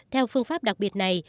theo phương pháp đặc biệt này